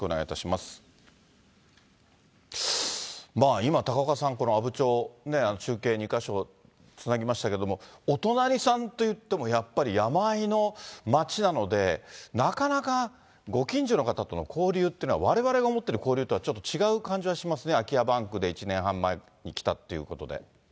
まあ今、高岡さん、阿武町、中継２か所、つなぎましたけども、お隣さんといっても、やっぱり山あいの町なので、なかなか、ご近所の方との交流っていうのは、われわれが思っている交流とはちょっと違う感じがしますね、空き家バンクで１年半前に来たっていうことで。